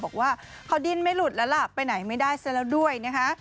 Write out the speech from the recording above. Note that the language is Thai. บอกว่าเขาดิ้นไม่หลุดแล้วล่ะไปไหนไม่ได้ซะแล้วด้วยนะคะ